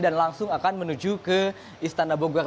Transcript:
dan langsung akan menuju ke istana bogor